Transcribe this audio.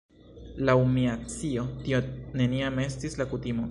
Laŭ mia scio tio neniam estis la kutimo.